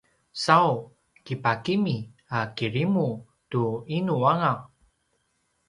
sau kipakimi a kirimu tu inu anga